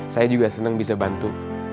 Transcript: saya juga senang bisa bantu